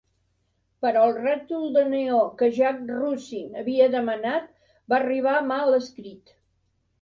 Però el rètol de neó que Jack Russin havia demanat va arribar mal escrit.